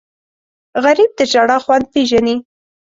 غریب د ژړا خوند پېژني